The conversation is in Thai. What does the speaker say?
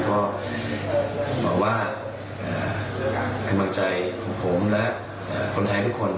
ก็บอกว่ากำลังใจของผมและคนไทยทุกคน